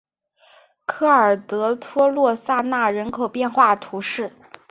科尔德托洛萨纳人口变化图示